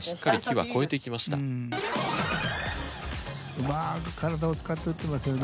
上手く体を使って打ってますよね。